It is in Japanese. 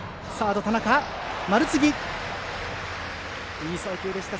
いい送球でした。